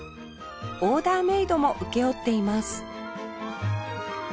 オーダーメイドも請け負っています